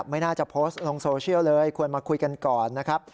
ไม่น่าจะโพสต์ลงโซเชียลเลยควรมาคุยกันก่อนนะครับ